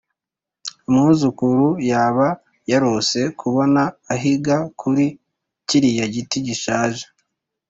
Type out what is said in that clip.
umwuzukuru yaba yarose kubona ahiga kuri kiriya giti gishaje.